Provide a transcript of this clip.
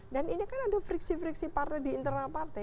dan ini kan ada friksi friksi partai di internal partai